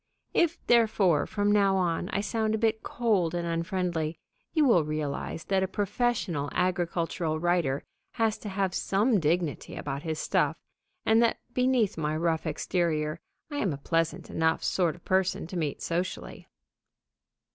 If, therefore, from now on I sound a bit cold and unfriendly, you will realize that a professional agricultural writer has to have some dignity about his stuff, and that beneath my rough exterior I am a pleasant enough sort of person to meet socially.